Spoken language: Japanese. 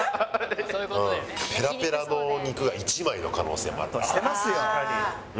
ペラペラの肉が１枚の可能性もあるからね。